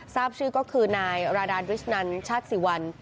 ทราบชื่อก็คือนายราดานริชนันชาติสิวัน